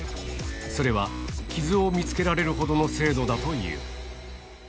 それは傷を見つけられるほどの精度だという。